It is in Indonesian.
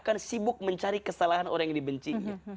maka nanti dia akan sibuk mencari kesalahan orang yang dibencinya